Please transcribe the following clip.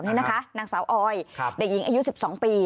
นางสาวออยเด็กหญิงอายุ๑๒ปี